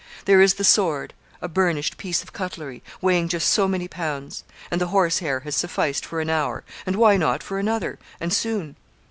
There is the sword, a burnished piece of cutlery, weighing just so many pounds; and the horsehair has sufficed for an hour, and why not for another and soon?